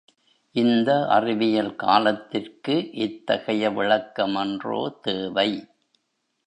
இந்த அறிவியல் காலத்திற்கு இத்தகைய விளக்கமன்றோ தேவை.